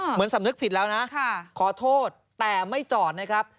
เหมือนสำนึกผิดแล้วนะขอโทษแต่ไม่จอดนะครับ